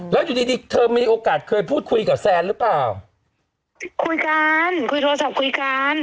แล้วอยู่ดีดีเธอมีโอกาสเคยพูดคุยกับแซนหรือเปล่าคุยกันคุยโทรศัพท์คุยกัน